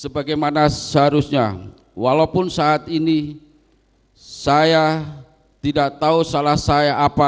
sebagaimana seharusnya walaupun saat ini saya tidak tahu salah saya apa